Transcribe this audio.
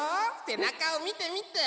せなかをみてみて。